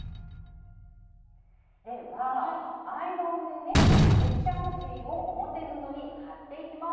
ではアイロンでね接着芯を表布に貼っていきます。